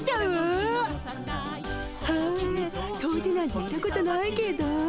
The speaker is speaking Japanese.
はあ掃除なんてしたことないけど。